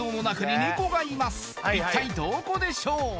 一体どこでしょう？